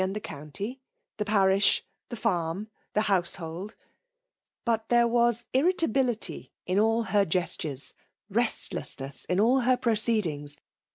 and the county, the parisib the fSuna^ the houses hold; — ^but th^« was imtability in all hm ges^ tures, restlessnees in aU her proceeiU&gs.